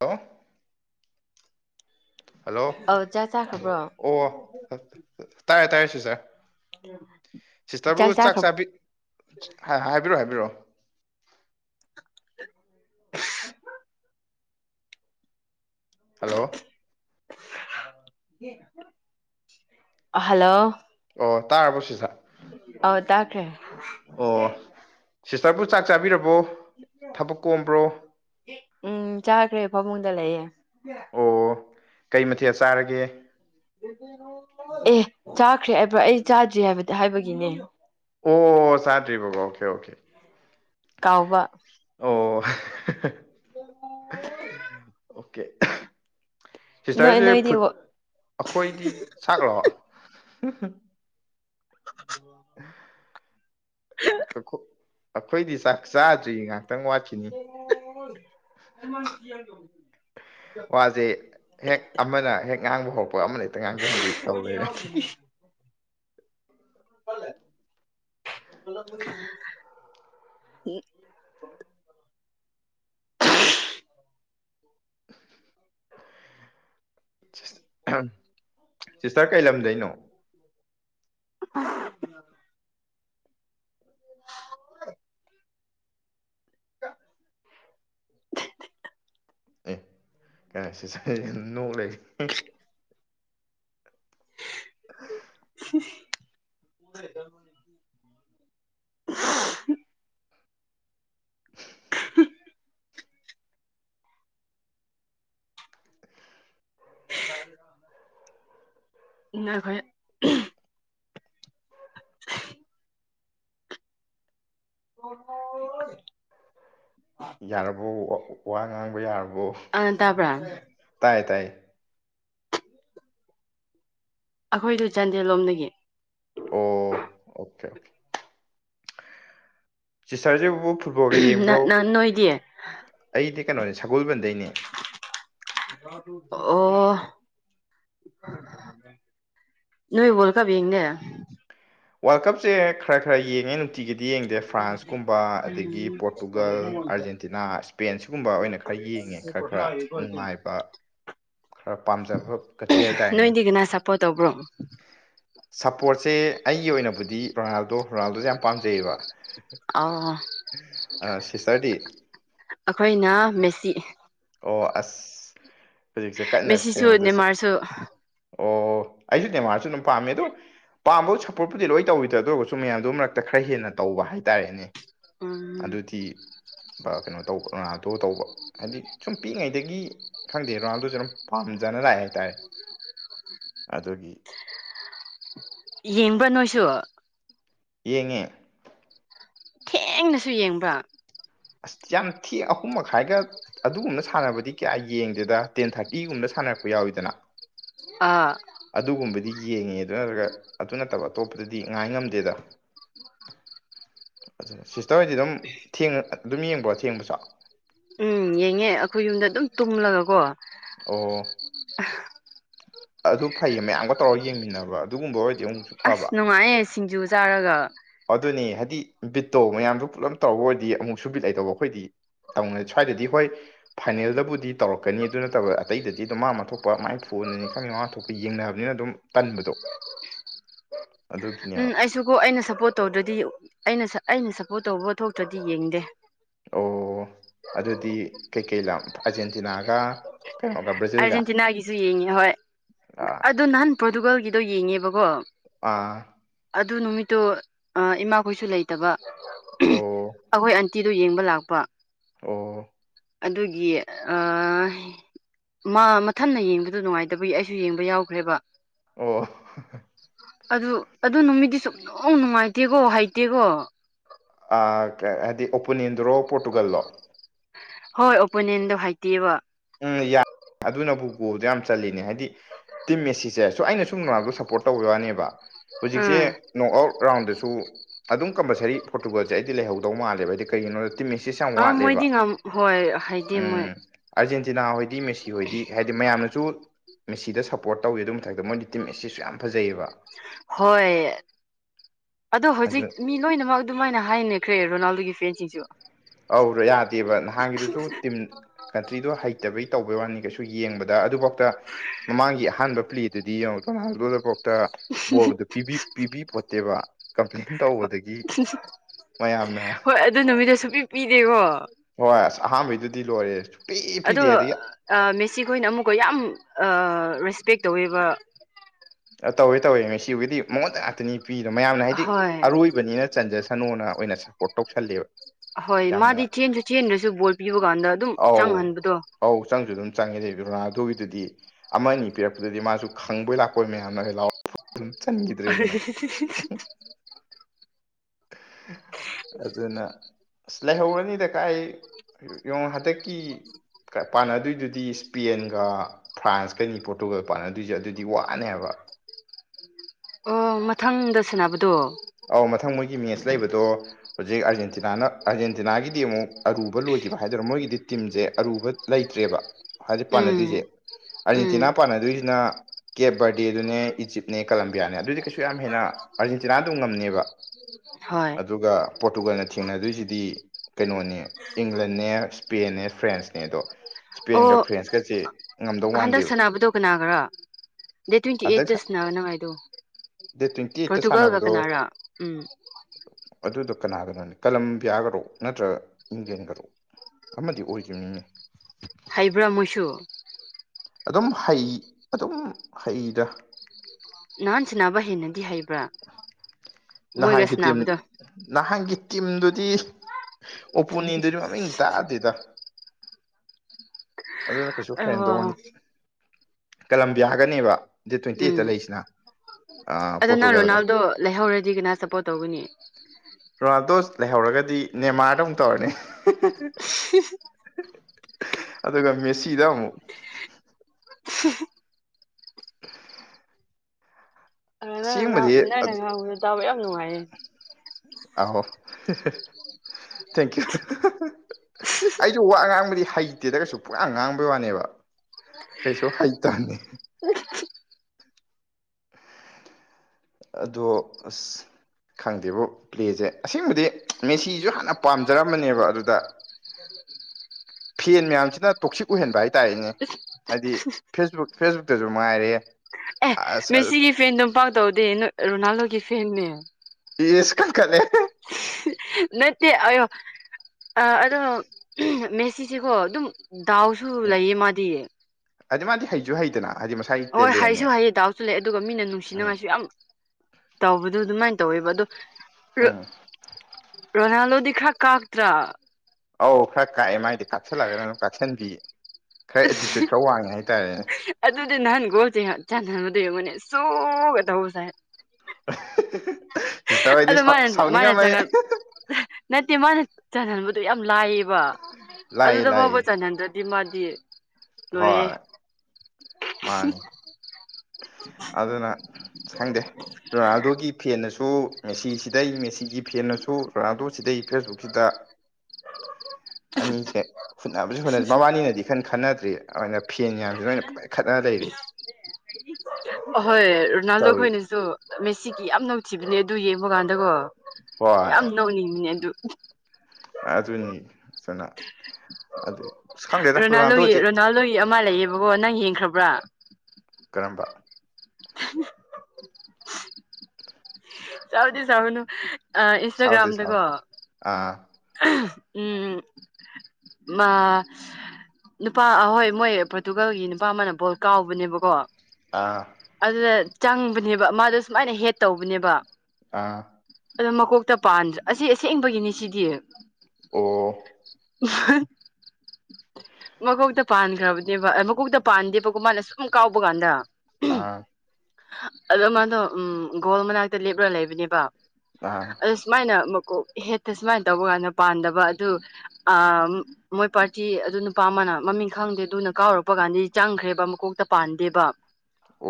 ꯍꯣ ꯍꯜꯂꯣ ꯑꯧ ꯆꯥꯛ ꯆꯥꯈ꯭ꯔꯕ꯭ꯔꯣ ꯑꯣ ꯇꯥꯏꯔꯦ ꯇꯥꯏꯔꯁꯤ ꯁꯥꯔ ꯁꯤꯁꯇꯔꯕꯨ ꯆꯥꯛ ꯆꯥꯕꯤ ꯍꯥꯏꯕꯤꯔꯛꯑꯣ ꯍꯥꯏꯕꯤꯔꯛꯑꯣ ꯍꯜꯂꯣ ꯍꯜꯂꯣ ꯑꯣ ꯇꯥꯔꯕꯣꯁꯤ ꯁꯥ ꯑꯥꯎ ꯇꯥꯈꯦ ꯑꯣ ꯁꯤꯁꯇꯔꯕꯨ ꯆꯥꯛ ꯆꯥꯕꯤꯔꯕꯣ ꯊꯕꯛ ꯀꯣꯝꯕ꯭ꯔꯣ ꯎꯝ ꯆꯥꯈ꯭ꯔꯦ ꯐꯃꯨꯡꯗ ꯂꯩꯌꯦꯦ [unintelligible] ꯑꯣ ꯀꯩ ꯃꯊꯦꯜ ꯆꯥꯔꯒꯦ ꯑꯦ ꯆꯥꯈ꯭ꯔꯦ ꯍꯥꯏꯕ꯭ꯔ ꯑꯩ ꯆꯥꯗ꯭ꯔꯤ ꯍꯥꯏꯕꯗꯤ ꯍꯥꯏꯕꯒꯤꯅꯦ ꯑꯣ ꯁꯥꯇꯔꯤ ꯕ ꯑꯣꯀꯦ ꯑꯣꯀꯦ ꯀꯥꯎꯕ ꯑꯣ ꯑꯣꯀꯦ ꯅꯣꯏ ꯁꯤꯁꯇꯔꯁꯦ ꯅꯣꯏꯗꯤ ꯐꯨꯠ ꯑꯩꯈꯣꯏꯗꯤ ꯁꯥꯛꯂꯣ ꯑꯣ ꯑꯩꯈꯣꯏꯗꯤ ꯆꯥꯛ ꯆꯥꯗ꯭ꯔꯤ ꯉ ꯃ ꯋꯥꯁꯦ ꯍꯦꯛ ꯑꯃꯅ ꯍꯦꯛ ꯉꯥꯡꯕ ꯍꯧꯔ ꯑꯃꯅ ꯍꯦꯛꯇ ꯉꯥꯡꯁꯤꯟꯕꯤ ꯇꯧ ꯂꯩꯔꯦ ꯐꯂꯦ [unintelligible] [unintelligible] ꯐ [unintelligible] ꯁꯤꯁꯇꯔ ꯀꯩ ꯂꯝꯗꯩꯅꯣ [unintelligible] [unintelligible] [unintelligible] ꯀꯁꯤ ꯆ ꯂꯩ [unintelligible] [unintelligible] [unintelligible] ꯏ ꯈ [unintelligible] ꯑꯣ ꯌꯥꯔꯕꯣ ꯋꯥ ꯉꯥꯡꯕ ꯌꯥꯔꯕ ꯑ ꯇꯥꯕ꯭ꯔꯥ ꯇꯥꯏ ꯇꯥꯏ ꯑꯩꯈꯣꯏꯗꯨ ꯆꯥꯟꯗꯦꯜ ꯂꯣꯝꯗꯒꯤ ꯑꯣ ꯑꯣꯀꯦ ꯑꯣ ꯆꯁꯔꯁꯤꯕꯨ ꯐꯨꯠꯕꯣꯜꯒ ꯌꯦꯡꯕ꯭ꯔꯣ ꯅꯣꯏꯗꯤ ꯑꯩꯗꯤ ꯀꯩꯅꯣꯅꯦ ꯁꯒꯣꯜꯕꯟꯗꯩꯅꯦ ꯑꯣ ꯅ ꯋꯥꯔꯜ ꯀꯞ ꯌꯦꯅꯦ ꯋꯥꯔꯜ ꯀꯞꯁꯦ ꯈꯔ ꯈꯔ ꯌꯦꯡꯉꯦ ꯅꯨꯡꯇꯤꯒꯤꯗꯤ ꯌꯦꯡꯗꯦ ꯐ꯭ꯔꯥꯟꯁꯀꯨꯝꯕ ꯑꯗꯒꯤ ꯄꯣꯔꯇꯨꯒꯜ ꯑꯥꯔꯖꯦꯟꯇꯤꯅꯥ ꯁ꯭ꯄꯦꯟ ꯨꯝ ꯈꯔ ꯌꯦꯉꯦ ꯈ ꯈꯔ ꯅꯨꯡꯉꯥꯏꯕ ꯈꯔ ꯄꯥꯝꯖꯕ ꯀꯟꯇ꯭ꯔꯤ ꯍꯥꯏꯇꯥꯔꯦꯅꯦ ꯄ ꯇꯕ꯭ꯔꯣ ꯁꯞꯄꯣꯔꯠꯁꯦ ꯑꯩꯒꯤ ꯑꯣꯏꯅꯕꯨꯗꯤ ꯔꯣꯅꯥꯜꯗꯣ ꯔꯣꯅꯥꯜꯗꯣꯁꯦ ꯌꯥꯝ ꯄꯥꯝꯖꯩꯑꯕ ꯑ ꯑ ꯁꯤꯁꯔꯇꯤ ꯑꯩꯈꯣꯏꯅ ꯃꯦꯁꯤ ꯑꯣ ꯑꯁ ꯍꯧꯖꯤꯛꯁꯦ ꯀꯅ ꯃꯦꯁꯤꯁꯨ ꯀꯩꯅꯣꯗꯁꯨ ꯅꯦꯃꯥꯔꯁꯨ ꯑꯣ ꯑꯩꯁꯨ ꯗꯦꯃꯥꯔꯁꯨ ꯑꯗꯨꯝ ꯄꯥꯝꯃꯦ ꯑꯗꯣ ꯄꯥꯝꯕꯗꯨ ꯁꯞꯄꯣꯔꯠꯄꯨꯗꯤ ꯂꯣꯏ ꯇꯧꯤꯗ꯭ꯔꯥ ꯑꯗꯨ ꯑꯣꯏꯔꯒꯁꯨ ꯃꯌꯥꯝꯗꯨ ꯃꯔꯛꯇ ꯈꯔ ꯍꯦꯟꯅ ꯇꯧꯕ ꯍꯥꯏꯇꯥꯔꯦꯅꯦ ꯎꯝ ꯑꯗꯨꯗꯤ ꯀꯩꯅꯣ ꯇꯧꯕ ꯔꯣꯅꯥꯇꯣ ꯇꯧꯕ ꯍꯥꯏꯗꯤ ꯁꯨꯝ ꯄꯤꯛꯏꯉꯩꯗꯒꯤ ꯈꯪꯗꯦ ꯔꯣꯅꯥꯥꯜꯗꯨꯁꯨ ꯑꯗꯨꯝ ꯄꯥꯝꯖꯅ ꯂꯥꯛꯑꯦ ꯍꯥꯏꯇꯥꯔꯦ ꯑꯒꯤ ꯌꯦꯡꯕ ꯅꯣꯏꯁꯨ ꯌꯦꯡꯉ ꯊꯦꯡꯅꯁꯨ ꯌꯦꯡꯕ ꯑꯁ ꯌꯥꯝ ꯊꯤ ꯑꯍꯨꯝ ꯃꯈꯥꯏꯒ ꯑꯗꯨꯒꯨꯝꯅ ꯁꯥꯟꯅꯕꯗꯤ ꯀꯌꯥ ꯌꯦꯡꯗꯦꯗ ꯇꯦꯟ ꯊꯥꯔꯇꯤꯒꯨꯝꯕ ꯁꯥꯟꯅꯔꯛꯄ ꯌꯥꯎꯋꯤꯗꯅ ꯑꯥ ꯑꯗꯨꯒꯨꯝꯕꯗꯤ ꯌꯦꯡꯉꯦ ꯑꯗꯨ ꯅꯠꯇ꯭ꯔꯒ ꯑꯗꯨ ꯅꯠꯇꯕ ꯑꯇꯣꯞꯄꯗꯗꯤ ꯉꯥꯏ ꯉꯝꯗꯦꯗ ꯑꯗꯨ ꯁꯤꯁꯇꯔ ꯍꯗꯤ ꯑꯗꯨꯝ ꯑꯗꯨꯝ ꯌꯦꯡꯕ꯭ꯔꯣ ꯊꯦꯡꯕꯁꯨ ꯎꯝ ꯌꯦꯡꯉꯦ ꯑꯩꯈꯣꯏ ꯌꯨꯝꯗ ꯑꯗꯨꯝ ꯇꯨꯝꯂꯒꯀꯣ ꯑꯣ ꯑꯗꯨ ꯐꯩꯌꯦ ꯃꯌꯥꯝꯒ ꯇꯧꯔꯒ ꯌꯦꯡꯃꯤꯟꯅꯕ ꯑꯗꯨꯒꯨꯝꯕ ꯑꯣꯏꯔꯗꯤ ꯑꯃꯨꯛ ꯑꯁ ꯅꯨꯡꯉꯥꯏꯌꯦ ꯁꯤꯡꯖꯨ ꯆꯥꯔꯒ ꯑꯗꯨꯅꯦ ꯍꯥꯏꯗꯤ ꯕꯤꯠꯇꯣ ꯃꯌꯥꯝꯗꯣ ꯄꯨꯂꯞ ꯇꯧꯔ ꯑꯣꯏꯔꯗꯤ ꯑꯃꯨꯛ ꯁꯨꯕꯤꯠ ꯂꯩꯗꯧꯕ ꯑꯩꯈꯣꯏꯗꯤ ꯁ꯭ꯋꯥꯏꯗꯗꯤ ꯍꯣꯏ ꯐꯥꯏꯅꯦꯜꯗꯕꯨꯗꯤ ꯇꯧꯔꯛꯀꯅꯤ ꯑꯗꯨ ꯅꯠꯇꯕ ꯑꯇꯩꯗꯗꯤ ꯑꯗꯨꯝ ꯃꯥ ꯑꯃ ꯊꯣꯛꯄ ꯃꯥꯏ ꯐꯨꯔ ꯀꯟꯅꯅꯤ ꯈꯪꯅꯤ ꯃꯃꯥꯡ ꯊꯣꯛꯄ ꯌꯦꯡꯅꯕꯅꯤꯅ ꯑꯗꯨꯝ ꯇꯟꯕꯗꯣ ꯑꯗꯨ ꯎꯝ ꯑꯩꯁꯨꯀꯣ ꯑꯩꯅ ꯁꯞꯄꯣꯔꯠ ꯇꯧꯗ꯭ꯔꯗꯤ ꯑꯩꯅ ꯑꯩꯅ ꯁꯞꯄꯣꯔꯠ ꯇꯧꯕ ꯊꯣꯛꯇ꯭ꯔꯗꯤ ꯌꯦꯡꯗꯦ ꯑꯣ ꯑꯗꯨꯗꯤ ꯀꯩꯀꯩ ꯑꯥꯔꯖꯦꯟꯇꯤꯅꯥꯒ ꯀꯩꯅꯣꯒ ꯕ꯭ꯔꯥꯖꯤꯜꯒ ꯑꯥꯔꯖꯦꯟꯇꯤꯅꯥꯒꯤꯁꯨ ꯌꯦꯡꯉꯦ ꯍꯣꯏ ꯑꯥ ꯑꯗꯨꯗꯣ ꯅꯍꯥꯟ ꯄꯣꯔꯇꯨꯒꯜꯒꯤꯗꯣ ꯌꯦꯡꯉꯦꯕꯀꯣ ꯑꯥ ꯑꯗꯨ ꯅꯨꯃꯤꯠꯇꯨ ꯏꯃꯥꯈꯣꯏꯁꯨ ꯂꯩꯇꯕ ꯑꯣ ꯑꯩꯈꯣꯏ ꯇꯇꯤꯗꯣ ꯌꯦꯡꯕ ꯂꯥꯛꯄ ꯑꯣ ꯑꯗꯨꯒꯤ ꯃꯥ ꯃꯊꯟꯟꯅ ꯌꯦꯡꯕꯗ ꯅꯨꯡꯉꯥꯏꯇꯕꯒꯤ ꯑꯩꯁꯨ ꯌꯦꯡꯕ ꯌꯥꯎꯈ꯭ꯔꯦꯕ ꯑꯣ ꯑꯗꯨ ꯑꯗꯨ ꯅꯨꯃꯤꯠꯇꯗꯤ ꯁꯨꯡꯂꯧ ꯅꯨꯡꯉꯥꯏꯇꯦꯀꯣ ꯍꯩꯇꯦꯀꯣ ꯍꯥꯏꯗꯤ ꯑꯣꯄꯨꯅꯦꯟꯟꯗ꯭ꯔꯣ ꯄꯣꯔꯇꯨꯒꯜꯂꯣ ꯍꯣꯏ ꯑꯣꯄꯣꯅꯦꯟꯗꯣ ꯍꯥꯏꯇꯦꯕ ꯎꯝ ꯌꯥ ꯑꯗꯨꯅꯕꯨ ꯒꯣꯜꯗ ꯌꯥꯝ ꯆꯜꯂꯤꯅꯦ ꯍꯥꯏꯗꯤ ꯇꯤꯝ ꯃꯦꯁꯤꯁꯦ ꯁ ꯑꯩꯅ ꯁꯨꯝ ꯅꯅꯥꯗꯣ ꯁꯞꯄꯣꯔꯠ ꯇꯧꯖ ꯌꯥꯅꯦꯕ ꯎꯝ ꯍꯧꯖꯤꯛꯁꯦ ꯅꯣꯛ ꯑꯥꯎꯠ ꯔꯥꯎꯟꯗꯁꯨ ꯑꯗꯨꯝ ꯀꯝꯄꯜꯁꯔꯤ ꯐꯣꯇꯨꯒꯣꯜꯁꯦ ꯑꯩꯗꯤ ꯂꯩꯍꯧꯗꯦ ꯇꯧꯗꯧ ꯃꯥꯜꯂꯦꯕ ꯍꯥꯏꯗꯤ ꯀꯩꯒꯤꯅꯣꯗ ꯇꯤꯃꯦꯁꯤꯁꯨ ꯌꯥꯝ ꯑꯥ ꯋꯥꯠꯂꯦꯕ ꯃꯣꯏꯗꯤ ꯉꯝ ꯍꯣꯏ ꯍꯥꯏꯗꯤ ꯃꯣꯏ ꯎꯝ ꯑꯥꯔꯖꯦꯟꯇꯤꯅꯥ ꯍꯣꯏꯗꯤ ꯃꯦꯁꯤ ꯍꯣꯏꯗꯤ ꯍꯥꯏꯗꯤ ꯃꯌꯥꯝꯅꯁꯨ ꯃꯦꯁꯤꯗ ꯁꯞꯄꯣꯔꯠ ꯇꯧꯋꯤ ꯑꯗꯨ ꯃꯊꯛꯇ ꯃꯣꯏꯗꯤ ꯇꯤꯝ ꯑꯁꯤꯁꯨ ꯌꯥꯝ ꯐꯖꯩꯑꯕ ꯍꯣꯏ ꯑꯗꯣ ꯑꯗꯨ ꯍꯧꯖꯤꯛ ꯃꯤ ꯂꯣꯏꯅꯃꯛ ꯑꯗꯨꯃꯥꯏꯅ ꯍꯥꯏꯅꯈ꯭ꯔꯦ ꯔꯣꯅꯥꯜꯗꯨꯣꯒꯤ ꯐꯦꯟꯁꯤꯡꯁꯨ ꯑꯗ ꯌꯥꯗꯦꯕ ꯅꯍꯥꯟꯒꯤꯗꯨꯁꯨ ꯇꯤꯝ ꯀꯟꯇ꯭ꯔꯤꯗꯣ ꯍꯩꯇꯕꯩ ꯇꯧꯕꯩ ꯋꯥꯅꯤ ꯀꯩꯁꯨ ꯌꯦꯡꯕꯗ ꯑꯗꯨꯐꯥꯎꯗ ꯃꯃꯥꯡꯒꯤ ꯑꯍꯥꯟꯕ ꯄ꯭ꯂꯦꯗꯨꯗꯤ ꯌꯦꯡꯉ ꯔꯣꯅꯥꯜꯗꯣꯗꯥꯎ ꯕꯣꯏꯕꯗ ꯄꯤꯕꯤ ꯄꯣꯠꯇꯦꯕ ꯀꯝꯄ꯭ꯂꯦꯟ ꯇꯧꯕꯗ ꯍꯣꯏ ꯑꯗꯨ ꯅꯨꯃꯤꯠꯇ ꯁꯨꯄꯤ ꯄꯤꯗꯦꯀꯣ ꯍꯣꯏ ꯑꯁ ꯑꯍꯥꯝꯕꯩꯗꯨꯗꯤ ꯂꯣꯏꯔꯦ ꯑꯗꯣ ꯄꯤꯗꯦ ꯑꯗꯒꯤ ꯃꯦꯁꯤꯈꯣꯏꯅ ꯑꯃꯨꯛꯀ ꯌꯥꯝ ꯔꯦꯁꯄꯦꯛ ꯇꯧꯕꯤꯕ ꯇꯧꯋꯦ ꯇꯧꯋꯦ ꯉꯁꯤꯒꯤꯗꯤ ꯃꯉꯨ ꯉꯥꯛꯇꯅꯤ ꯄꯤꯗꯣ ꯃꯌꯥꯝꯅ ꯍꯥꯏꯗꯤ ꯍꯣꯏ ꯑꯔꯣꯏꯕꯅꯤꯅ ꯆꯟꯖꯁꯦ ꯁꯅꯣꯅ ꯑꯣꯏꯅ ꯁꯞꯄꯣꯔꯠ ꯇꯧꯁꯜꯜꯂꯤꯦꯕ ꯑꯣꯏ ꯃꯥꯗꯤ ꯆꯦꯟꯁꯨ ꯆꯦꯟꯗ꯭ꯔꯁꯨ ꯕꯣꯜ ꯄꯤꯕ ꯀꯥꯟꯗ ꯑꯗꯨꯝ ꯑꯧ ꯆꯪꯍꯟꯕꯗꯣ ꯑꯧ ꯆꯪꯁꯨ ꯑꯗꯨꯝ ꯆꯪꯉꯦ ꯔꯣꯅꯥꯜꯗꯣꯒꯤꯗꯨꯗꯤ ꯑꯃ ꯑꯅꯤ ꯄꯤꯔꯛꯄꯗꯗꯤ ꯃꯥꯁꯨ ꯈꯪꯕꯩ ꯂꯥꯛꯄ ꯑꯩꯈꯣꯏ ꯃꯌꯥꯝꯅ ꯍ ꯂꯥꯎ ꯑꯗꯨꯝ ꯆꯟꯈꯤꯗ꯭ꯔꯦꯗꯅ ꯑꯗꯨꯖꯅ ꯑꯁ ꯂꯩꯍꯧꯔꯅꯤꯗ ꯀꯥꯏ ꯌꯦꯉ ꯍꯟꯗꯛꯀꯤ ꯄꯥꯟꯅꯗꯣꯏꯗꯨꯗꯤ ꯏꯁꯄꯦꯟꯒ ꯐ꯭ꯔꯥꯟꯁꯀꯅꯤ ꯄꯣꯔꯇꯨꯒꯜꯒ ꯄꯥꯟꯅꯗꯣꯏꯁꯦ ꯑꯗꯨꯗꯤ ꯋꯥ ꯑꯅꯕ ꯑꯣ ꯃꯊꯪꯗ ꯁꯥꯟꯅꯕꯗꯣ ꯑꯧ ꯃꯊꯪ ꯃꯣꯏꯒꯤ ꯃꯦꯠꯆ ꯂꯩꯕꯗꯣ ꯍꯧꯖꯤꯛ ꯑꯥꯔꯖꯦꯟꯇꯤꯅꯥꯅ ꯑꯥꯔꯖꯦꯟꯇꯤꯅꯥꯒꯤꯗꯤ ꯑꯃꯨꯛ ꯑꯔꯨꯕ ꯂꯣꯏꯔꯦ ꯈꯤꯕ ꯍꯥꯏꯗꯔꯣ ꯃꯣꯏꯒꯤꯗꯤ ꯇꯤꯝꯁꯦ ꯑꯔꯨꯕ ꯂꯩꯇ꯭ꯔꯦꯕ ꯍꯥꯏꯗꯤ ꯎꯝ ꯄꯥꯟꯅꯗꯣꯏꯁꯦ ꯑꯅꯤ ꯎꯝ ꯇꯤꯅꯥ ꯄꯥꯟꯅꯗꯣꯏꯁꯤꯅ ꯀꯦ ꯕꯔꯗꯦꯗꯨꯅꯦ ꯏꯖꯤꯞꯅꯦ ꯀꯂꯝꯕꯤꯌꯥꯅꯦ ꯑꯗꯨꯗꯤ ꯀꯩꯁꯨ ꯌꯥꯝ ꯍꯦꯟꯅ ꯑꯔꯖꯦꯟꯇꯤꯅꯥ ꯑꯗꯨ ꯉꯝꯅꯦꯕ ꯍꯣꯏ ꯑꯗꯨꯒ ꯄꯣꯔꯇꯨꯒꯜꯅ ꯊꯦꯡꯅꯗꯣꯏꯁꯤꯗꯤ ꯀꯩꯅꯣꯅꯦ ꯏꯪꯂꯟꯅꯦ ꯏꯁꯄꯦꯟꯅꯦ ꯐ꯭ꯔꯦꯟꯁꯅꯦ ꯑꯗꯣ ꯑꯣ ꯏꯁꯄꯦꯟꯒ ꯐ꯭ꯔꯦꯟꯁꯀꯁꯦ ꯉꯝꯗꯧ ꯍꯟꯗꯛ ꯃꯥꯟꯗꯦꯕ ꯁꯥꯟꯅꯕꯗꯣ ꯀꯅꯥꯒꯔꯥ ꯗꯦꯠ ꯇ꯭ꯋꯦꯟꯇꯤ ꯑꯩꯠꯇ ꯁꯥꯟꯟꯅꯅꯉꯥꯏꯗꯣ ꯗꯦ ꯇ꯭ꯋꯦꯟꯇ ꯑꯩꯠꯇ ꯁꯥꯟꯅꯕꯗꯣ ꯀꯅꯥꯔ ꯎꯝ ꯑꯗꯨꯗꯣ ꯀꯅꯥꯒꯅꯣꯅꯤ ꯀꯂꯝ ꯕꯤꯌꯥꯒꯔꯣ ꯅꯠꯇ꯭ꯔꯒ ꯃꯤꯤꯡꯖꯦꯟꯒꯔꯣ ꯑꯃꯗꯤ ꯑꯣꯏꯗ꯭ꯔꯤꯕꯅꯤꯅꯦ ꯍꯩꯕ꯭ꯔꯥ ꯃꯣꯏꯁꯨ ꯑꯗꯨꯝ ꯍꯩ ꯑꯗꯨꯝ ꯍꯩꯗ ꯅꯍꯥꯟ ꯁꯤꯅꯕ ꯍꯦꯟꯅꯗꯤ ꯍꯥꯏꯕ꯭ꯔꯥ ꯅꯍꯥꯟꯒꯤ ꯇꯤꯝ ꯅꯍꯥꯟꯒꯤ ꯇꯤꯝꯗꯨꯗꯤ ꯑꯣꯄꯨꯅꯤꯗꯔꯤ ꯃꯃꯤ ꯇꯗꯦꯗ ꯑꯗꯨꯅ ꯀꯩꯁꯨ ꯐꯍꯟꯗꯧ ꯃꯥ ꯀꯂꯝꯕꯤꯌꯥ ꯍꯥꯏꯒꯅꯦꯕ ꯗꯦꯠ ꯇ꯭ꯋꯦꯟꯇꯤ ꯑꯩꯠꯇ ꯎꯝ ꯂꯩꯁꯤꯅ ꯑꯗꯣ ꯅꯪ ꯄꯣꯔꯇꯨꯒꯜꯒ ꯔꯣꯅꯥꯜꯗꯣ ꯂꯩꯍꯧꯔꯗꯤ ꯀꯅꯥ ꯁꯞꯄꯣꯔꯠ ꯇꯧꯒꯅꯤ ꯗꯣꯁ ꯂꯩꯍꯧꯔꯒꯗꯤ ꯅꯦꯃꯥꯔꯗ ꯑꯃꯨꯛ ꯇꯧꯔꯅꯤ ꯑꯗꯨꯒ ꯃꯦꯁꯤꯗ ꯑꯃꯨꯛ [unintelligible] ꯪ ꯅ ꯅꯪ ꯅ ꯉꯕꯗꯦ ꯇꯥꯕ ꯌꯥꯝ ꯅꯨꯡꯉꯥꯏꯌꯦ ꯑꯣ ꯊꯦꯡꯀ꯭ꯌꯨ ꯑꯩꯁꯨ ꯋꯥ ꯑꯉꯥꯡꯕꯗꯤ ꯍꯩꯇꯦꯗ ꯀꯩꯁꯨ ꯄꯨꯛ ꯌꯥꯝ ꯉꯥꯡꯕꯩ ꯋꯥꯅꯦꯕ ꯀꯩꯁꯨ ꯍꯩꯇꯅꯤ ꯑꯗꯣ ꯑꯁ ꯈꯪꯗꯦꯕꯨ ꯄ꯭ꯂꯦꯖꯦ ꯑꯁꯤꯁꯦꯡꯕꯗꯤ ꯃꯦꯁꯤꯁꯨ ꯍꯥꯟꯅ ꯄꯥꯝꯖꯔꯝꯕꯅꯦꯕ ꯑꯗꯨꯗ [unintelligible] ꯐꯦꯟ ꯃꯌꯥꯝꯁꯤꯅ ꯇꯣꯛꯁꯤꯛ ꯑꯣꯏꯍꯟꯕ ꯍꯥꯏꯇꯥꯔꯦ ꯏꯅꯦ ꯍꯥꯏꯗꯤ ꯐꯦꯁꯕꯨꯛ ꯐꯦꯁꯕꯨꯛꯇꯁꯨ ꯃꯉꯥꯏꯔꯦ ꯑꯦ ꯑꯁ ꯃꯦꯁꯤꯒꯤ ꯐꯦꯟꯗꯣꯝꯄꯥꯛꯥꯛ ꯇꯧꯗꯦ ꯔꯣꯅꯥꯜꯗꯣꯒꯤ ꯐꯦꯟꯅꯦ ꯁ ꯀꯟ ꯀꯅꯦꯦ ꯅꯠꯇ ꯑꯣ ꯑꯗꯣ ꯃꯦꯁꯤꯁꯤꯀꯣ ꯑꯗꯨꯝ ꯗꯥꯎꯁꯨ ꯂꯩꯌꯦ ꯃꯥꯗꯤ ꯍꯥꯏꯗꯤ ꯃꯥꯗꯤ ꯍꯩꯁꯨ ꯍꯩꯗꯅ ꯍꯥꯏꯗꯤ ꯃꯁꯥꯒꯤ ꯍꯣꯏ ꯇꯦꯂꯦꯟꯅꯦ ꯍꯩꯁꯨ ꯍꯩꯌꯦ ꯇꯥꯎꯁꯨ ꯂꯩꯦ ꯑꯗꯨꯒ ꯃꯤꯅ ꯎꯝ ꯅꯨꯡꯁꯤꯅꯉꯥꯏꯁꯨ ꯌꯥꯝ ꯇꯧꯕꯗꯨ ꯑꯗꯨꯃꯥꯏꯅ ꯇꯧꯋꯦꯕ ꯑꯗ ꯎꯝ ꯔꯣꯅꯥꯜꯗꯣꯗꯤ ꯈꯔ ꯀꯥꯇ꯭ꯔꯥ ꯑꯧ ꯈꯔ ꯀꯥꯛꯑꯦ ꯃꯥꯏꯗꯤ ꯀꯥꯁꯤꯜꯂꯒꯅ ꯑꯗꯨꯝ ꯀꯥꯞꯁꯤꯟꯕꯤꯌꯦ ꯈꯔ ꯑꯦꯇꯤꯇ꯭ꯌꯨꯠ ꯈꯔ ꯋꯥꯡꯉꯦ ꯍꯥꯏꯇꯥꯔꯦꯅꯦ ꯅꯪꯒꯣꯗꯦ ꯆ ꯃꯗꯣꯏ ꯃꯅꯦ ꯁꯣꯒ ꯇ ꯍꯣ ꯁꯥꯥꯏꯦ ꯑ ꯑꯗꯨꯗ ꯃꯥꯅ ꯃꯥꯅꯦ ꯆꯉ ꯅꯠꯇꯦ ꯃꯥꯅꯦ ꯆꯉ ꯑꯗꯨ ꯌꯥꯝ ꯂꯥꯏꯌꯦꯕ ꯂꯥꯛꯑꯦ ꯑꯗꯨꯗ ꯂꯥꯛꯑꯦ ꯐꯥꯎꯕ ꯆꯟꯍꯟꯗ꯭ꯔꯗꯤ ꯃꯥꯗꯤ ꯂꯣꯏꯔꯦ ꯍꯣꯏ ꯃꯥꯅꯦ ꯑꯗꯨꯅ ꯁꯪꯗꯦ ꯔꯣꯅꯥꯜꯗꯣꯒꯤ ꯐꯦꯟꯅꯁꯨ ꯑꯗꯨ ꯃꯦꯁꯤꯁꯤꯗꯩ ꯃꯦꯁꯤꯒꯤ ꯐꯦꯟꯅꯁꯨ ꯔꯣꯅꯥꯜꯗꯣ ꯁꯤꯗꯩ ꯐꯦꯁꯕꯨꯛꯁꯤꯗ ꯑꯅꯤꯁꯦ ꯈꯨꯠꯅꯕꯁꯨ ꯍꯣꯠꯅ ꯃꯕꯥꯅꯤꯅꯗꯤ ꯈꯟ ꯈꯟꯅꯗꯦ ꯑꯗꯨꯅ ꯐꯦꯟ ꯌꯥꯝꯌꯥꯝꯁꯨ ꯅꯣꯏꯅ ꯄꯥꯏꯈꯠꯅ ꯂꯩꯔꯤ ꯑꯍꯣꯏ ꯔꯣꯅꯥꯜꯗꯣ ꯈꯣꯏꯅꯁꯨ ꯃꯦꯁꯤꯒꯤ ꯌꯥꯝ ꯅꯧꯊꯤꯕꯅꯦ ꯑꯗꯨ ꯌꯦꯡꯕ ꯀꯥꯟꯗꯀꯣ ꯌꯥꯝ ꯅꯧꯅꯤꯡꯕꯅꯦ ꯑꯗꯨ ꯑꯁꯨꯅꯤ ꯁꯟꯅ ꯑꯗꯨꯗ ꯔꯣꯅꯥꯜꯗꯣꯒꯤ ꯔꯣꯅꯥꯜꯗꯣꯒꯤ ꯑꯃ ꯂꯩꯌꯦꯕꯀꯣ ꯅꯪ ꯌꯦꯡꯈ꯭ꯔꯕ꯭ꯔꯥ ꯀꯔꯝꯕ ꯆꯥꯎꯗꯤ ꯆꯥꯎꯅꯨ ꯑ ꯁꯥꯎꯗꯦ ꯏꯟꯁꯇꯥꯒ꯭ꯔꯥꯝꯗꯀꯣ ꯁꯥꯎꯗꯦ ꯑꯥ ꯎꯝ ꯃꯥ ꯅꯨꯄꯥꯍꯣꯏ ꯃꯣꯏ ꯄꯣꯔꯇꯨꯒꯥꯜꯒꯤ ꯅꯨꯄꯥ ꯑꯃꯅ ꯕꯣꯜ ꯀꯥꯎꯕꯅꯦꯕꯀꯣ ꯑꯥ ꯑꯗꯨꯗ ꯆꯪꯕꯅꯦꯕ ꯃꯥꯗꯣ ꯁꯨꯃꯥꯏꯅ ꯍꯦꯠ ꯇꯧꯕꯅꯦꯕ ꯑꯥ ꯑꯗꯣ ꯃꯀꯣꯛꯇ ꯄꯗ꯭ꯔ ꯑꯁꯤ ꯑꯁꯦꯡꯕꯒꯤꯅꯤ ꯁꯤꯗꯤ ꯑꯣ ꯍ ꯃꯀꯣꯛꯇ ꯄꯥꯟꯈ꯭ꯔꯕꯅꯦꯕ ꯃꯀꯣꯛꯇ ꯄꯥꯟꯗꯦꯕꯀꯣ ꯃꯥꯅ ꯁꯨꯝ ꯀꯥꯎꯕ ꯀꯥꯟꯗ ꯑꯥ ꯑꯗꯣ ꯃꯥꯗꯣ ꯎ ꯒꯣꯜ ꯃꯅꯥꯛꯇ ꯂꯦꯞꯂ ꯂꯩꯕꯅꯦꯕ ꯑꯥ ꯑꯗ ꯁꯨꯃꯥꯏꯅ ꯣ ꯍꯦꯛꯇꯁ ꯃꯥ ꯇꯧꯕ ꯀꯥꯟꯗ ꯄꯥꯟꯗꯕ ꯑꯗꯨ ꯃꯣꯏ ꯄꯥꯔꯇꯤ ꯑꯗꯨ ꯅꯨꯄꯥ ꯑꯃꯅ ꯃꯃꯤꯡ ꯈꯪꯗꯦ ꯑꯗꯨ ꯀꯥꯎꯔꯛꯄ ꯀꯥꯟꯗꯤ ꯆꯪꯈ꯭ꯔꯦꯕ ꯃꯀꯣꯛꯇ ꯄꯥꯟꯗꯦꯕ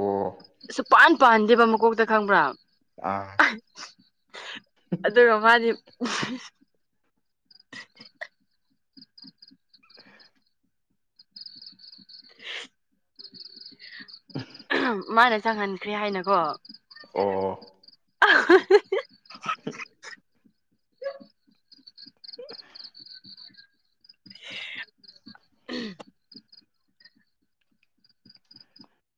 ꯑꯣ ꯁꯨꯄꯥꯟ ꯄꯥꯟꯗꯦꯕ ꯃꯀꯣꯛꯇ ꯈꯪꯕ꯭ꯔꯥ ꯑꯥ ꯑꯗꯨꯒ ꯃꯥꯗꯤ ꯃꯥꯅ ꯆꯪꯍꯟꯈ꯭ꯔꯦ ꯍꯥꯏꯅꯀꯣ ꯑꯣ ꯑ [unintelligible] [unintelligible] [unintelligible]